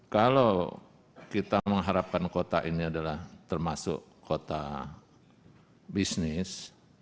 kalau kita mengharapkan kota ini adalah termasuk kota bisnis